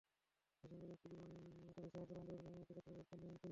বেসরকারি একটি বিমানে করে শাহজালাল আন্তর্জাতিক বিমানবন্দরে গতকাল রোববার নামেন তিনি।